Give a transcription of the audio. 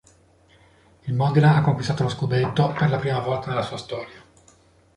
Il Modena ha conquistato lo scudetto per la prima volta nella sua storia.